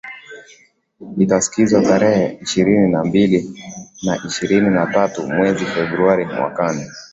itasikizwa tarehe ishirini na mbili na ishirini na tatu mwezi februari mwakani